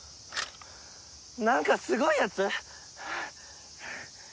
なんかすごいやつ！？